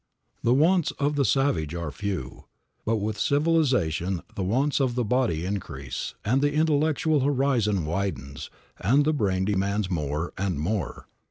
The wants of the savage are few; but with civilization the wants of the body increase, the intellectual horizon widens and the brain demands more and more.